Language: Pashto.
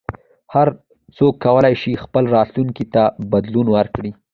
هر څوک کولای شي خپل راتلونکي ته بدلون ورکړي.